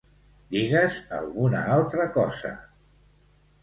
Digues alguna altra cosa.